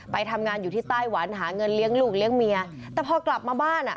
ไปทำงานอยู่ที่ไต้หวันหาเงินเลี้ยงลูกเลี้ยงเมียแต่พอกลับมาบ้านอ่ะ